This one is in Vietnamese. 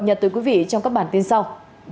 nhật tới quý vị trong các bản tin sau